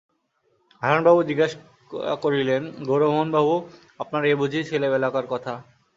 হারানবাবু জিজ্ঞাসা করিলেন, গৌরমোহনবাবু, আপনার এ বুঝি ছেলেবেলাকার লেখা?